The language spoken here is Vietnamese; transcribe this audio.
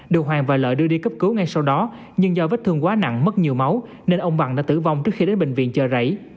được hoàng và lợi đưa đi cấp cứu ngay sau đó nhưng do vết thương quá nặng mất nhiều máu nên ông bằng đã tử vong trước khi đến bệnh viện chợ rảy